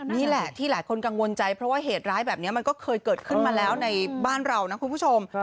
นี่แหละที่หลายคนกังวลใจเพราะว่าเหตุร้ายแบบนี้มันก็เคยเกิดขึ้นมาแล้วในบ้านเรานะคุณผู้ชม